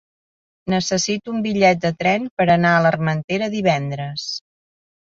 Necessito un bitllet de tren per anar a l'Armentera divendres.